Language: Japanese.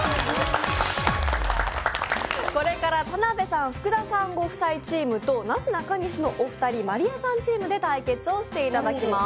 これから田辺さん、福田さんご夫妻チームとなすなかにしのお二人、真莉愛さんチームで対決していただきます。